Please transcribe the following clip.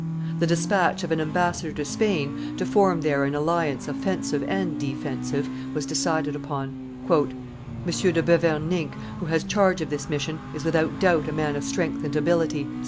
The despatch of an ambassador to Spain, to form there an alliance offensive and defensive, was decided upon. "M. de Beverninck, who has charge of this mission, is without doubt a man of strength and ability," said M.